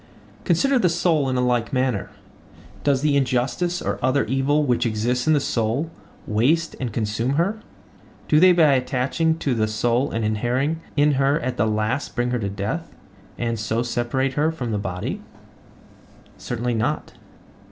Consider the soul in like manner. Does the injustice or other evil which exists in the soul waste and consume her? Do they by attaching to the soul and inhering in her at last bring her to death, and so separate her from the body? Certainly not.